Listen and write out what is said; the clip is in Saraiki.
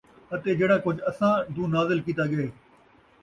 اَتے جِہڑا کُجھ اَساں دو نازل کِیتا ڳئے،